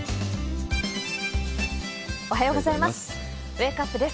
おはようございます。